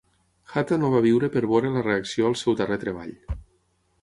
Hatta no va viure per veure la reacció al seu darrer treball.